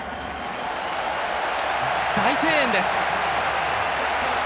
大声援です。